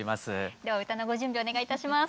では歌のご準備お願いいたします。